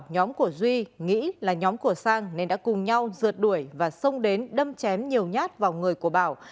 nhóm của duy nghĩ là nhóm của sang nên đã cùng nhau rượt đuổi và xông đến đâm chém nhiều nhát vào người của bảo